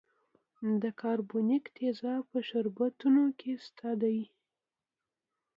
د کاربونیک تیزاب په شربتونو کې شته دی.